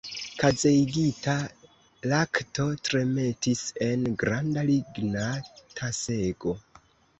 Kazeigita lakto tremetis en granda ligna tasego.